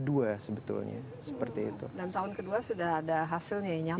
dan tahun ke dua sudah ada hasilnya yang nyata